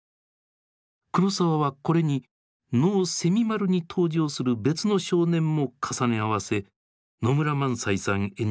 黒澤はこれに能「蝉丸」に登場する別の少年も重ね合わせ野村萬斎さん演じる